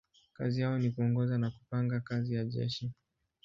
Kazi yao ni kuongoza na kupanga kazi ya jeshi.